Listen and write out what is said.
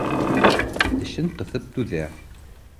Тешен ҡыҫып түҙә